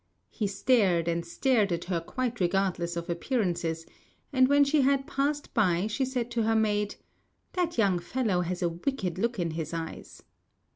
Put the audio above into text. He stared and stared at her quite regardless of appearances; and when she had passed by, she said to her maid, "That young fellow has a wicked look in his eyes."